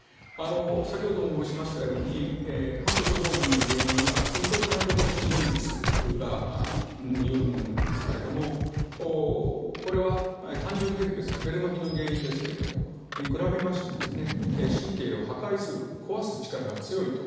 先ほども申しましたようにハント症候群の原因は水痘・帯状疱疹ウイルスによるものなんですけれどもこれは単純ヘルペスベル麻痺の原因に比べまして神経を破壊する壊す力が強いとされています。